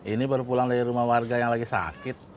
ini baru pulang dari rumah warga yang lagi sakit